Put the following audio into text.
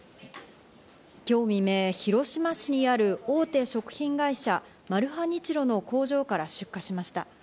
今日未明、広島市の大手食品会社マルハニチロ広島工場から出火しました。